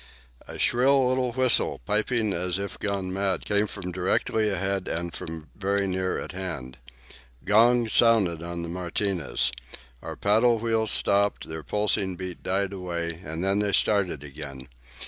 A shrill little whistle, piping as if gone mad, came from directly ahead and from very near at hand. Gongs sounded on the Martinez. Our paddle wheels stopped, their pulsing beat died away, and then they started again.